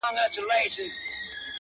• گراني ټوله شپه مي،